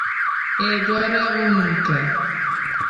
É agora ou nunca!